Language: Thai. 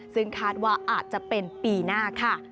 ซึ่งคาดว่าอาจจะเป็นปีหน้าค่ะ